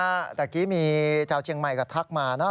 เมื่อกี้มีชาวเชียงใหม่ก็ทักมานะ